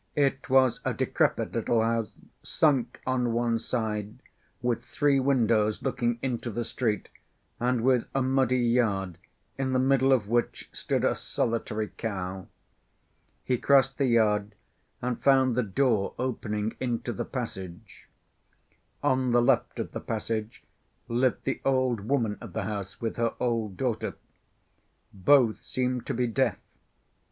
It was a decrepit little house, sunk on one side, with three windows looking into the street, and with a muddy yard, in the middle of which stood a solitary cow. He crossed the yard and found the door opening into the passage. On the left of the passage lived the old woman of the house with her old daughter. Both seemed to be deaf.